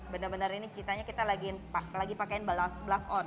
benar benar ini kita lagi pakai blush on